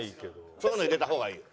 そういうの入れた方がいいよ。